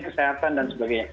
kesehatan dan sebagainya